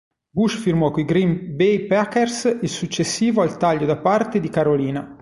Bush firmò coi Green Bay Packers il successivo al taglio da parte di Carolina.